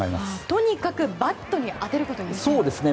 とにかくバットに当てることですか。